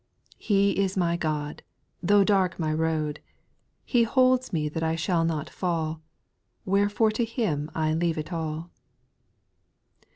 He is my God, Though dark my road ; He holds me that I shall not fall. Wherefore to Him T leave it all.